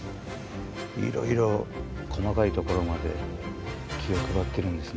いろいろ細かいところまで気を配ってるんですね。